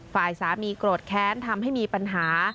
ฝ่ายสามีโกรธแค้นทำให้มีปัญหา